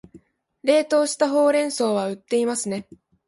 冷凍したほうれん草は売っていますね